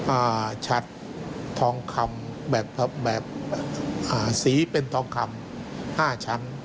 อ่าชัดทองคำแบบอ่าสีเป็นทองคำห้าชั้น